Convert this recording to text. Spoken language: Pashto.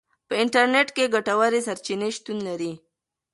په انټرنیټ کې ګټورې سرچینې شتون لري.